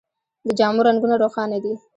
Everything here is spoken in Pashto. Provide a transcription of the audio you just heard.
د جامو رنګونه روښانه دي.